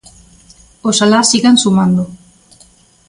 Oxalá sigan sumando.